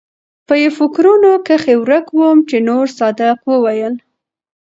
پۀ فکرونو کښې ورک ووم چې نورصادق وويل